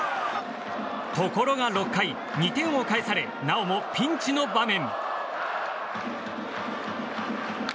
ところが６回、２点を返されなおもピンチの場面。